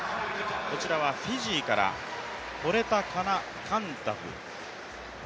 こちらはフィジーから、ボレタカナカンダブ。